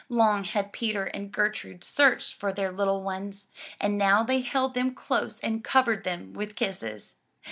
Long had Peter and Ger trude searched for their little ones, and now they held them close and covered them with kisses.